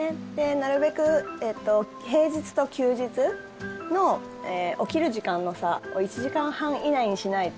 なるべく平日と休日の起きる時間の差を１時間半以内にしないと。